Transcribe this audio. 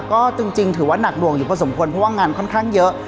ก็จริงถือว่านักหน่วงอยู่พอสมควรเพราะว่างานค่อนข้างเยอะ